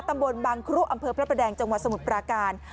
ตำบลบังครุอำเภอพระประแดงจังหวัดสมุทรปราการ